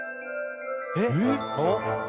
「えっ？」